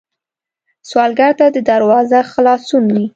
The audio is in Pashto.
سوالګر ته دروازه خلاصون وي